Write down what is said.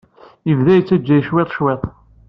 Yebda yettejjey cwiṭ, cwiṭ.